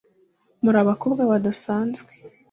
muri abakobwa badasanzwe